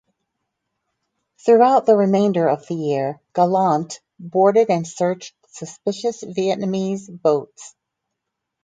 Throughout the remainder of the year, "Gallant" boarded and searched suspicious Vietnamese boats.